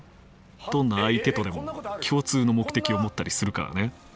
どんな相手とでも共通の目的を持ったりするからね。